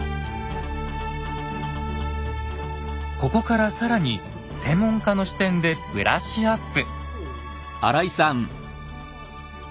ここから更に専門家の視点でブラッシュアップ。